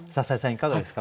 いかがですか？